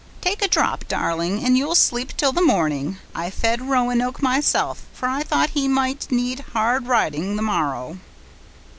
Take a drop, darling, and ye'll sleep till the morning. I fed Roanoke myself, for I thought ye might need hard riding the morrow."